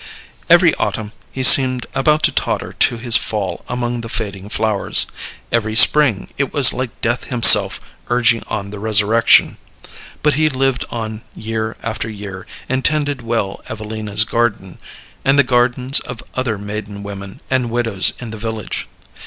Every autumn he seemed about to totter to his fall among the fading flowers; every spring it was like Death himself urging on the resurrection; but he lived on year after year, and tended well Evelina's garden, and the gardens of other maiden women and widows in the village.